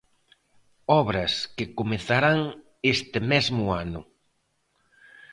Obras que "comezarán este mesmo ano".